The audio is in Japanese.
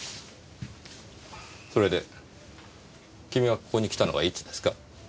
それで君がここに来たのはいつですか？